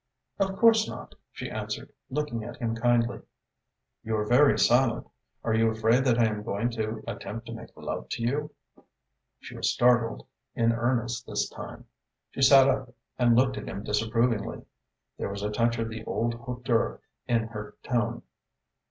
"Of course not," she answered, looking at him kindly. "You are very silent. Are you afraid that I am going to attempt to make love to you?" She was startled in earnest this time. She sat up and looked at him disapprovingly. There was a touch of the old hauteur in her tone.